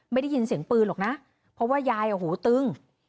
ไม่ได้ยินเสียงปืนหรอกนะเพราะว่ายายตึ้ง